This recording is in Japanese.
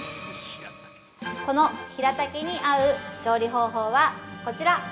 ◆このひらたけに合う調理方法はこちら！